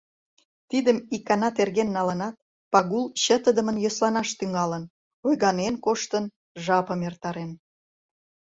Тидым икана терген налынат, Пагул чытыдымын йӧсланаш тӱҥалын, ойганен коштын, жапым эртарен.